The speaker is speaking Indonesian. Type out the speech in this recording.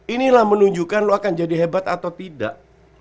inilah menunjukkan lo akan jadi hebat atau tidak